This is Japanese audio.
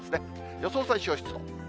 予想最小湿度。